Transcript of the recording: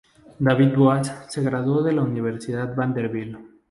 David Boaz se graduó de la Universidad Vanderbilt.